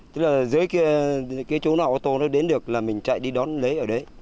tức là dưới kia cái chỗ nào ô tô nó đến được là mình chạy đi đón lấy ở đấy